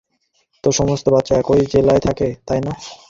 তো, সমস্ত বাচ্চা একই জেলায় থাকে, তাই না?